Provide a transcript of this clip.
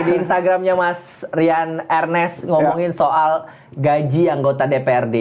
di instagramnya mas rian ernest ngomongin soal gaji anggota dprd